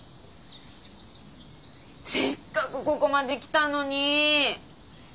せっかくここまで来たのにィ。